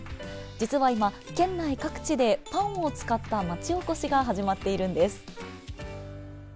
実は今県内各地でパンを使った町おこしが始まっているんです。